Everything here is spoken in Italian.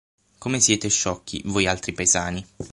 Come siete sciocchi voi altri paesani!